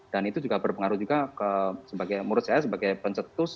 dan itu juga berpengaruh juga sebagai pencetus